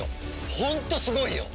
ホントすごいよ！